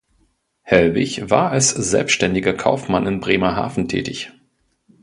Hellwig war als selbstständiger Kaufmann in Bremerhaven tätig.